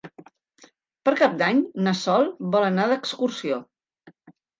Per Cap d'Any na Sol vol anar d'excursió.